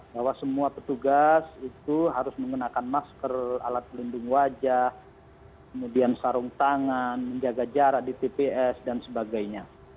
bahwa semua petugas itu harus menggunakan masker alat pelindung wajah kemudian sarung tangan menjaga jarak di tps dan sebagainya